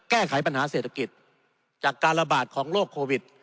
แก้ไขปัญหาเศรษฐกิจจากการระบาดของโรคโควิด